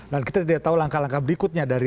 dan kita tidak tahu langkah langkah berikutnya dari